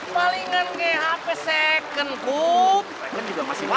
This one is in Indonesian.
palingan jaga tanda persedia awak cowo